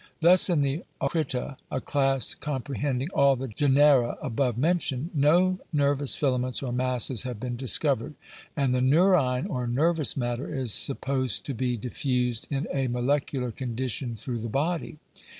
Thus in the Acrita, a class comprehending all the genera above men tioned, " no nervous filaments or masses have been discovered, and the neurine or nervous matter is supposed to be diffused in a molecular condition through the body."